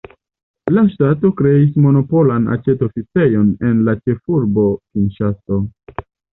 La ŝtato kreis monopolan aĉetoficejon en la ĉefurbo Kinŝaso.